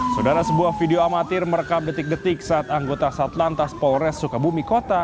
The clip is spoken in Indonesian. saudara sebuah video amatir merekam detik detik saat anggota satlantas polres sukabumi kota